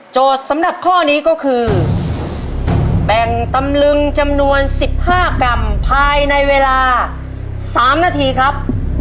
สำหรับข้อนี้ก็คือแบ่งตำลึงจำนวน๑๕กรัมภายในเวลา๓นาทีครับ